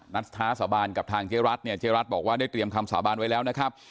ท้าสาบานกับทางเจ๊รัฐเนี่ยเจ๊รัฐบอกว่าได้เตรียมคำสาบานไว้แล้วนะครับ